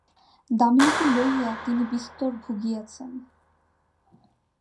দামিনীকে লইয়া তিনি বিস্তর ভুগিয়াছেন।